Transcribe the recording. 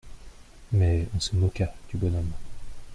Mais on se moqua du bonhomme.